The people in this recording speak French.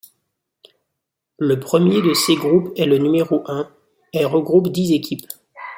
Le premier de ces groupes, est le numéro I, est regroupe dix équipes.